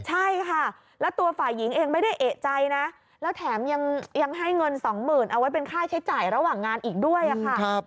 ใช่ค่ะแล้วตัวฝ่ายหญิงเองไม่ได้เอกใจนะแล้วแถมยังให้เงินสองหมื่นเอาไว้เป็นค่าใช้จ่ายระหว่างงานอีกด้วยค่ะ